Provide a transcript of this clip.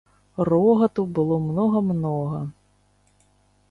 Рогату было многа, многа!